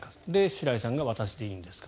白井さんが私でいいんですか？